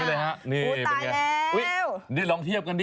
สวัสดีค่ะ